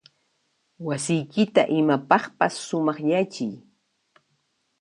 Wasiykita imapaqpas sumaqyachiy.